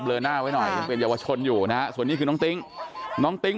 เลอหน้าไว้หน่อยยังเป็นเยาวชนอยู่นะฮะส่วนนี้คือน้องติ๊งน้องติ๊ง